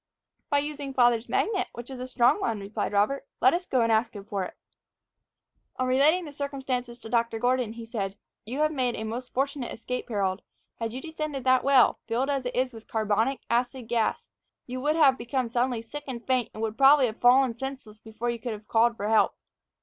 "By using father's magnet, which is a strong one," replied Robert. "Let us go and ask him for it." On relating the circumstances to Dr. Gordon, he said, "You have made a most fortunate escape, Harold. Had you descended that well, filled as it is with carbonic acid gas, you would have become suddenly sick and faint, and would probably have fallen senseless before you could have called for help.